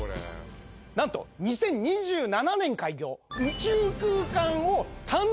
なんと２０２７年開業。